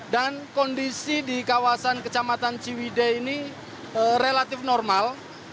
dan kondisi di kawasan kecamatan ciwide ini relatif normal